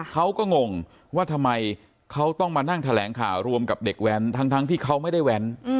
เขาก็งงว่าทำไมเขาต้องมานั่งแถลงข่าวรวมกับเด็กแว้นทั้งที่เขาไม่ได้แว้น